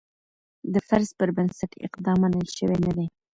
د فرض پر بنسټ اقدام منل شوی نه دی.